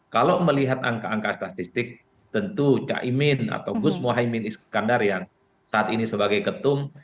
kalau melihat angka angka statistik tentu caimin atau gus mohaimin iskandar yang saat ini sebagai ketum